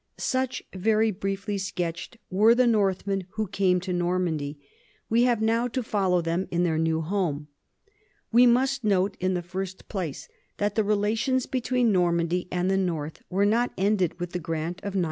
Such, very briefly sketched, were the Northmen who came to Normandy. We have now to follow them in their new home. We must note in the first place that the relations be tween Normandy and the north were not ended with the grant of 911.